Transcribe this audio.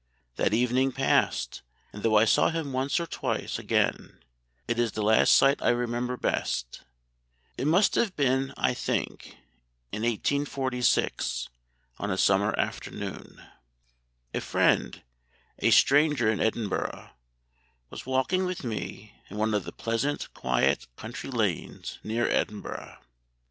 That evening passed, and though I saw him once or twice again, it is the last sight I remember best. It must have been, I think, in 1846, on a summer afternoon. A friend, a stranger in Edinburgh, was walking with me in one of the pleasant, quiet, country lanes near Edinburgh.